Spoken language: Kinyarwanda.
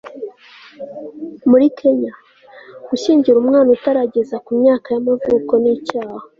muri kenya, gushyingira umwana utarageza ku myaka y'amavuko ni icyaha